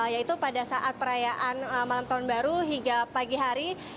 yaitu pada saat perayaan malam tahun baru hingga pagi hari